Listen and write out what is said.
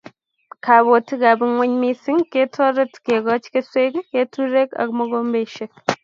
Kobotikab ngweny missing ketoret kekoch keswek, keturek ak mogombesiek